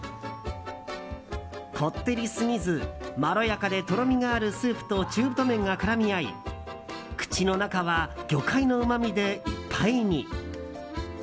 こってりすぎず、まろやかでとろみがあるスープと中太麺が絡み合い、口の中は魚介のうまみでいっぱいに。